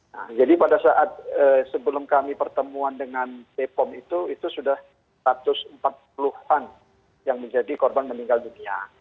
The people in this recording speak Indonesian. nah jadi pada saat sebelum kami pertemuan dengan bepom itu itu sudah satu ratus empat puluh an yang menjadi korban meninggal dunia